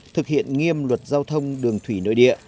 thực hiện nghiêm luật giao thông đường thủy nội địa